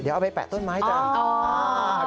เดี๋ยวเอาไปแปะต้นไม้จ้ะ